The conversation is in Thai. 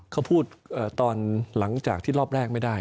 เขาพูดตอนหลังจากที่รอบแรกไม่ได้